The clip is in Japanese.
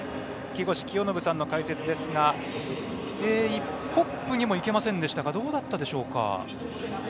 木越清信さんの解説ですがホップにもいけませんでしたかどうだったでしょうか？